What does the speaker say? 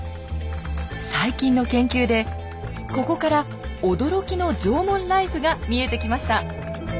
最近の研究でここから驚きの縄文ライフが見えてきました。